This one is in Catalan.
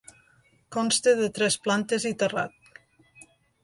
Consta de tres plantes i terrat.